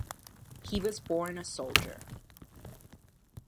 He was born a soldier.